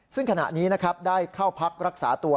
ซึ่งขณะนี้นะครับได้เข้าพักรักษาตัว